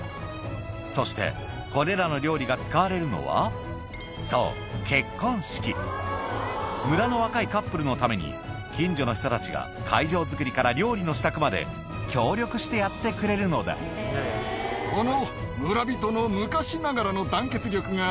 そしてこれらの料理が使われるのはそう村の若いカップルのために近所の人たちが会場づくりから料理の支度まで協力してやってくれるのだこの。